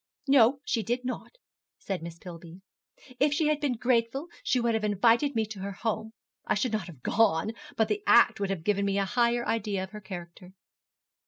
'No, she did not,' said Miss Pillby. 'If she had been grateful she would have invited me to her home. I should not have gone, but the act would have given me a higher idea of her character.'